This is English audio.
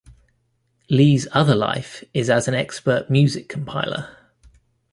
Lee's other life is as an expert music compiler.